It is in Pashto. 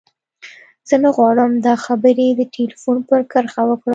زه نه غواړم دا خبرې د ټليفون پر کرښه وکړم.